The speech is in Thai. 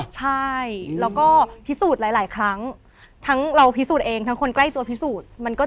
ใช่แล้วก็พิสูจน์หลายครั้งทั้งเราพิสูจน์เองทั้งคนใกล้ตัวพิสูจน์